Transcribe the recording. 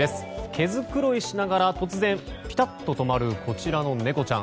毛づくろいしながら突然ピタッと止まるこちらの猫ちゃん。